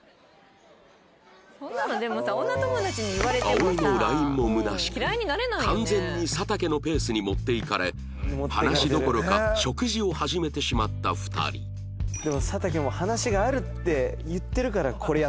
葵の ＬＩＮＥ もむなしく完全に佐竹のペースに持っていかれ話どころか食事を始めてしまった２人でも佐竹も話があるって言ってるから。